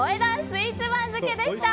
スイーツ番付でした。